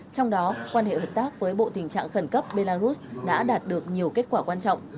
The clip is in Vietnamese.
trong đó quan hệ hợp tác với bộ tình trạng khẩn cấp belarus đã đạt được nhiều kết quả quan trọng